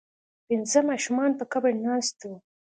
پنځه ماشومان په قبر ناست وو.